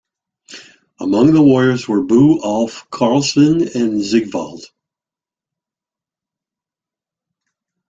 Among the warriors were Bue, Ulf, Karlsevne and Sigvald.